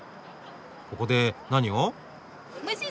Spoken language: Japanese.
ここで何を？